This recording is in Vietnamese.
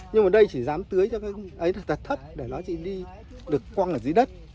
nhưng mà đây chỉ dám tưới cho cái ấy thật thất để nó chỉ đi được quăng ở dưới đất